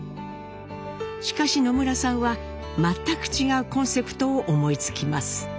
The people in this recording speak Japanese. しかし野村さんは全く違うコンセプトを思いつきます。